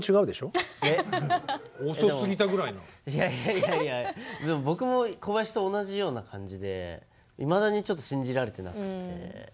いやいや僕も小林と同じような感じでいまだにちょっと信じられてなくて。